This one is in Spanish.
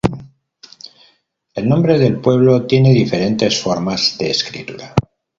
El nombre del pueblo tiene diferentes formas de escritura.